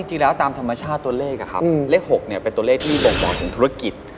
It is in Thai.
จริงแล้วตามธรรมชาติตัวเลขเลข๖เป็นตัวเลขที่บ่งบอกถึงธุรกิจ